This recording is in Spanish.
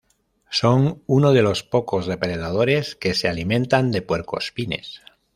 Son uno de los pocos depredadores que se alimentan de puercoespines.